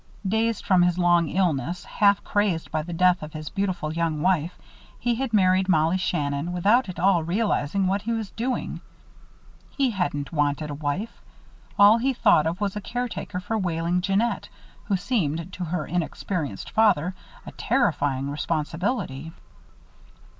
Dazed from his long illness, half crazed by the death of his beautiful young wife, he had married Mollie Shannon without at all realizing what he was doing. He hadn't wanted a wife. All he thought of was a caretaker for wailing Jeannette, who seemed, to her inexperienced father, a terrifying responsibility.